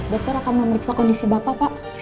dokter akan memeriksa kondisi bapak pak